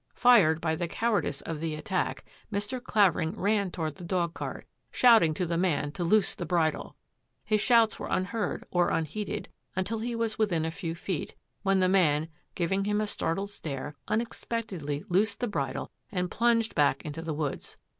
Fired by the cowardice of the attack, Mr. Clavering ran toward the dog cart, shouting to the man to loose the bridle. His shouts were un heard, or unheeded, until he was within a few feet, when the man, giving him a startled stare, un expectedly loosed the bridle and plunged back into the woods.